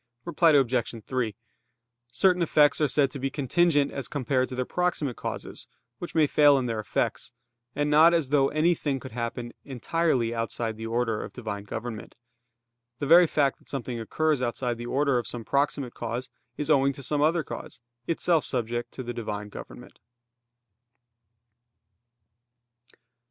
Reply Obj. 3: Certain effects are said to be contingent as compared to their proximate causes, which may fail in their effects; and not as though anything could happen entirely outside the order of Divine government. The very fact that something occurs outside the order of some proximate cause, is owing to some other cause, itself subject to the Divine government.